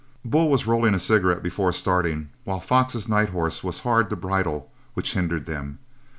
Bull was rolling a cigarette before starting, while Fox's night horse was hard to bridle, which hindered them.